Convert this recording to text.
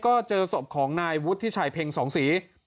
ก็เจอศพของนายวุฒิที่ใช้เพลงสองสี